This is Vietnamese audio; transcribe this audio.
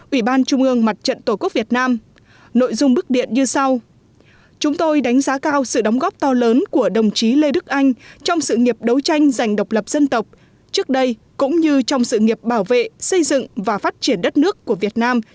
ủy ban trung ương mặt trận tổ quốc việt nam